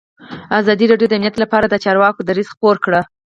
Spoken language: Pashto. ازادي راډیو د امنیت لپاره د چارواکو دریځ خپور کړی.